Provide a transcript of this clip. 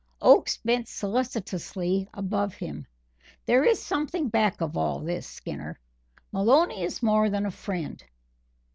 Oakes bent solicitously above him. "There is something back of all this, Skinner. Maloney is more than a friend."